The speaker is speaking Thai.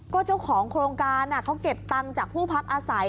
ก็เจ้าของโครงการเขาเก็บตังค์จากผู้พักอาศัย